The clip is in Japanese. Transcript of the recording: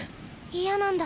嫌なんだ。